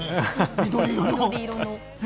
緑色の。